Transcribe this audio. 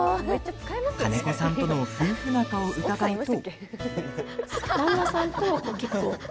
金子さんとの夫婦仲を伺うと。